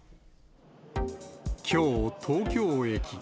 きょう、東京駅。